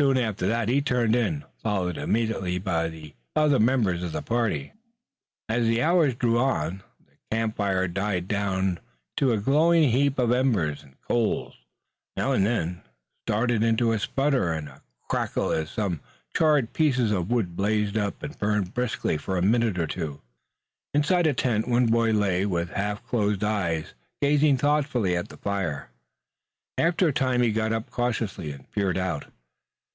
Soon after that he turned in, followed immediately by the other members of the party. As the hours drew on, the campfire died down to a glowing heap of embers and coals, now and then starting into a sputter and a crackle as some charred piece of wood blazed up and burned briskly for a minute or two. Inside a tent one boy lay with half closed eyes gazing thoughtfully at the fire. After a time he got up cautiously and peered out.